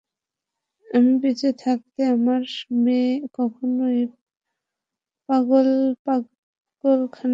আমি বেঁচে থাকতে, আমার মেয়ে কখনোই পাগলখানায় যাবে না।